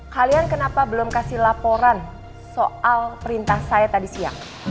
kalian kenapa belum kasih laporan soal perintah saya tadi siang